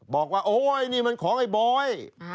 บอกว่าโอ้โหอันนี้มันของไอ้บ๊อย